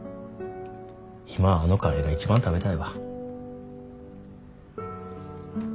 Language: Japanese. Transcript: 今あのカレーが一番食べたいわ。